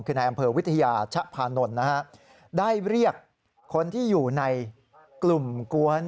คือในอำเภอวิทยาชะพานนท์นะฮะได้เรียกคนที่อยู่ในกลุ่มกวน